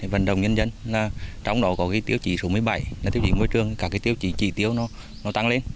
vận động nhân dân trong đó có tiêu chí số một mươi bảy là tiêu chí môi trường các tiêu chí chỉ tiêu nó tăng lên